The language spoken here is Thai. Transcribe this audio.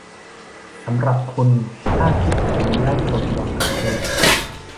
สำหรับคุณถ้าคิดถึงได้โปรดบอกกับเธอ